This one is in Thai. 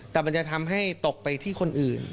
แต่มันจะทำให้ตกไปที่คนอื่น